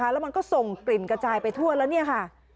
และมันก็ส่งกลิ่นกระจายไปทั่วแล้ว